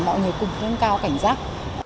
mọi người cũng nên cao cảnh giác